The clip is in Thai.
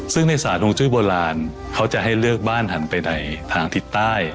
ซึ่งในสารวงจุ้ยโบราณเขาจะให้เลือกบ้านหันไปในทางทิศใต้